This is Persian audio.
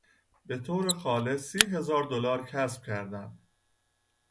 به طور خالص سی هزار دلار کسب کردن